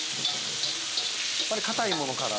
やっぱりかたいものから先に。